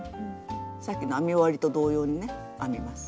さっきの編み終わりと同様にね編みます。